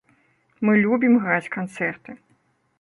Мы любім граць канцэрты.